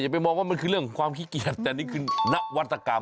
ไปมองว่ามันคือเรื่องของความขี้เกียจแต่นี่คือนวัตกรรม